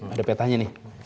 ada petanya nih